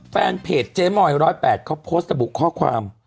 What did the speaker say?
แฟนเพจเจ๊มอย๑๐๘เขาโพสต์ระบุข้อความ